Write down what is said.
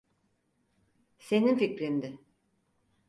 Senin fikrindi.